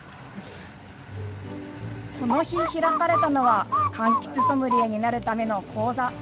この日開かれたのは、柑橘ソムリエになるための講座。